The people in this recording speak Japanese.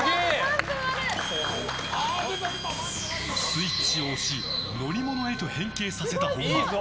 スイッチを押し乗り物へと変形させた本間。